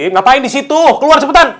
ngapain disitu keluar cepetan